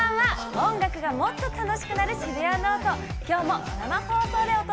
音楽がもっと楽しくなる「シブヤノオト」。